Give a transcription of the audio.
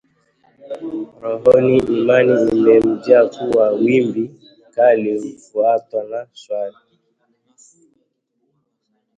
Rohoni, imani imemjaa kuwa wimbi kali hufuatwa na shwari